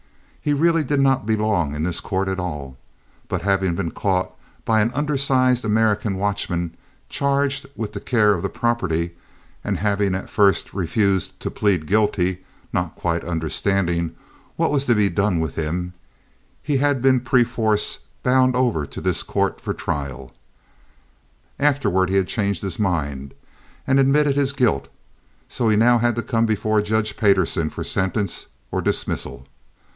He really did not belong in this court at all; but, having been caught by an undersized American watchman charged with the care of the property, and having at first refused to plead guilty, not quite understanding what was to be done with him, he had been perforce bound over to this court for trial. Afterward he had changed his mind and admitted his guilt, so he now had to come before Judge Payderson for sentence or dismissal.